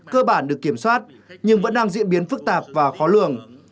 cơ bản được kiểm soát nhưng vẫn đang diễn biến phức tạp và khó lường